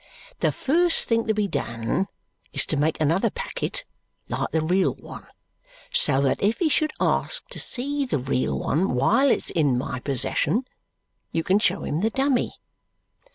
The first thing to be done is to make another packet like the real one so that if he should ask to see the real one while it's in my possession, you can show him the dummy."